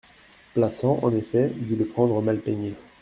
Plassans, en effet, dut le prendre mal peigné.